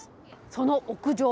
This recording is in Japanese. その屋上。